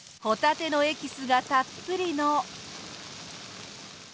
ホタテのエキスがたっぷりの。